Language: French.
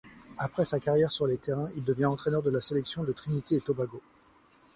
Après sa carrière sur les terrains, il devient entraîneur de la sélection de Trinité-et-Tobago.